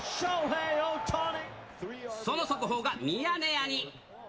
その速報がミヤネ屋に。